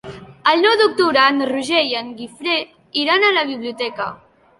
El nou d'octubre en Roger i en Guifré iran a la biblioteca.